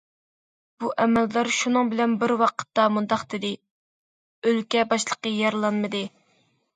بۇ ئەمەلدار شۇنىڭ بىلەن بىر ۋاقىتتا مۇنداق دېدى: ئۆلكە باشلىقى يارىلانمىدى.